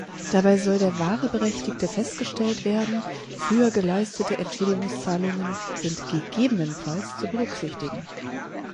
Dabei soll der wahre Berechtigte festgestellt werden; früher geleistete Entschädigungszahlungen sind gegebenenfalls zu berücksichtigen.